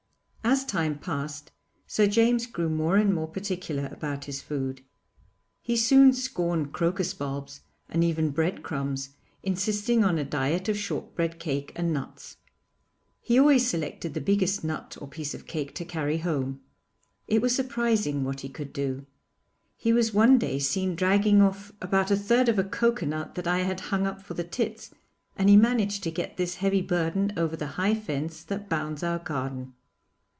As time passed, Sir James grew more and more particular about his food. He soon scorned crocus bulbs and even bread crumbs, insisting on a diet of shortbread cake and nuts. He always selected the biggest nut or piece of cake to carry home. It was surprising what he could do. He was one day seen dragging off about a third of a coconut that I had hung up for the tits, and he managed to get this heavy burden over the high fence that bounds our garden.